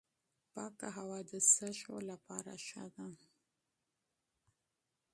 پاکه هوا د سږو لپاره ښه ده.